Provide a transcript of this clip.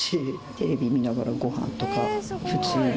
テレビ見ながらご飯とか普通に。